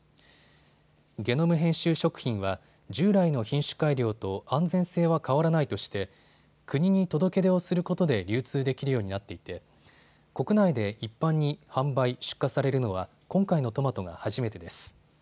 ゲノム編集食品は従来の品種改良と安全性は変わらないとして国に届け出をすることで流通できるようになっていて国内で一般に販売・出荷されるのは今回のトマトが初めてです。